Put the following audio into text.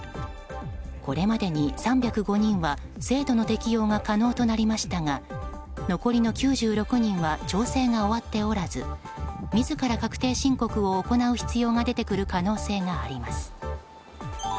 これまでに、３０５人は制度の適用が可能となりましたが残りの９６人は調整が終わっておらず自ら確定申告を行う必要が出てくる可能性があります。